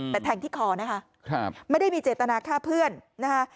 แต่แทงที่คอนะคะไม่ได้มีเจตนาฆ่าเพื่อนนะคะ